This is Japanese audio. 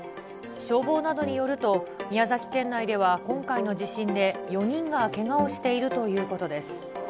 消防などによると、宮崎県内では今回の地震で４人がけがをしているということです。